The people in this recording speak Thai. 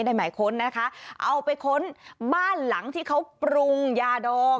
หมายค้นนะคะเอาไปค้นบ้านหลังที่เขาปรุงยาดอง